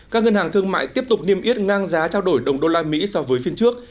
các ngân hàng thương mại tiếp tục niêm yết ngang giá trao đổi đồng đô la mỹ so với phiên trước